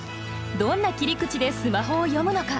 どんな切り口でスマホを詠むのか。